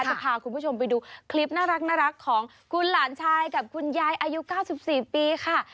จะพาคุณผู้ชมไปดูคลิปน่ารักของคุณหลานชายกับคุณยายอายุ๙๔ปีค่ะ